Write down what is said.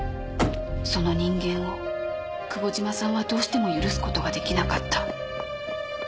その人間を久保島さんはどうしても許すことができなかった